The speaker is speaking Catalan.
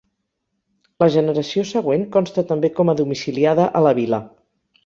La generació següent consta també com a domiciliada a la vila.